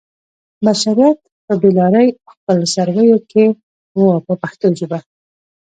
بشریت په بې لارۍ او خپل سرویو کې و په پښتو ژبه.